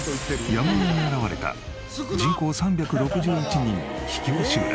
山あいに現れた人口３６１人の秘境集落。